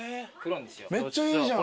めっちゃいいじゃん。